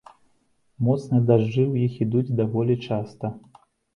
Моцныя дажджы ў іх ідуць даволі часта.